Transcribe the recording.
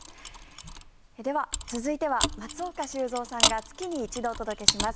では、続いては松岡修造さんが月に一度お届けします